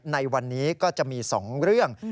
ในวันนี้ก็จะมี๒เรื่อง